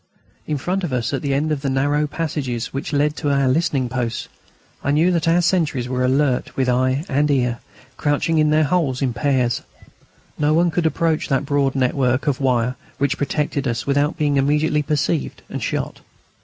In front of us, at the end of the narrow passages which led out to the listening posts, I knew that our sentries were alert with eye and ear, crouching in their holes in pairs. No one could approach the broad network of wire which protected us without being immediately perceived and shot.